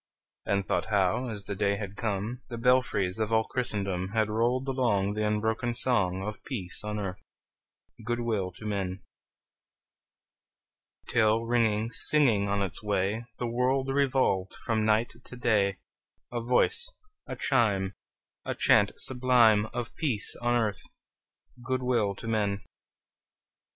And thought how, as the day had come, The belfries of all Christendom Had rolled along The unbroken song Of peace on earth, good will to men! Till, ringing, singing on its way, The world revolved from night to day, A voice, a chime, A chant sublime Of peace on earth, good will to men!